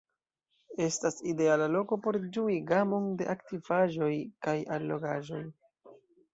Estas ideala loko por ĝui gamon de aktivaĵoj kaj allogaĵoj.